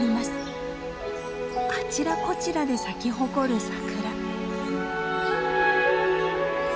あちらこちらで咲き誇る桜。